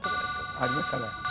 ありましたね。